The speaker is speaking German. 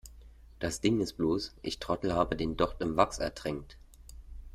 Das Ding ist bloß, ich Trottel habe den Docht im Wachs ertränkt.